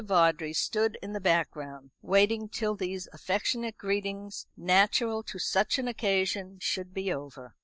Vawdrey stood in the background, waiting till those affectionate greetings natural to such an occasion should be over.